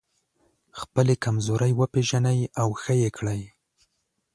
خپلې کمزورۍ وپېژنئ او ښه يې کړئ.